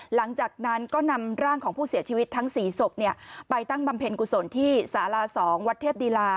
หลังจากนั้นก็นำร่างของผู้เสียชีวิตทั้ง๔ศพไปตั้งบำเพ็ญกุศลที่สารา๒วัดเทพดีลา